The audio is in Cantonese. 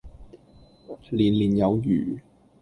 年年有餘